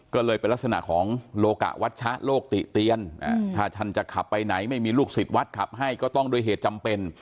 ก็เลยเป็นลักษณะของโลกะวัชชะโลกติเตียนถ้าท่านจะขับไปไหนไม่มีลูกศิษย์วัดขับให้ก็ต้องด้วยเหตุจำเป็น